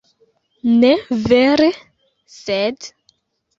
Ne vere, sed...